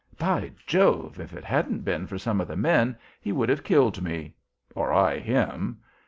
By Jove! if it hadn't been for some of the men he would have killed me, or I him.